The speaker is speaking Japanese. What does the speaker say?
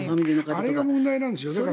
あれが問題なんですよ。